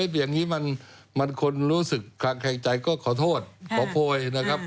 อย่างนี้มันคนรู้สึกคลังแข่งใจก็ขอโทษขอโพย